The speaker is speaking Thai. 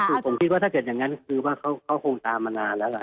คือผมคิดว่าถ้าเกิดอย่างนั้นคือว่าเขาคงตามมานานแล้วล่ะ